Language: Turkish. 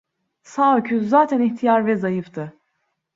Sağ öküz zaten ihtiyar ve zayıftı.